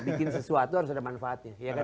bikin sesuatu harus ada manfaatnya